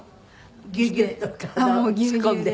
ギュギュッと体を突っ込んで。